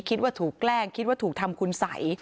คิดว่าถูกแกล้งคิดว่าถูกทำคุณสัย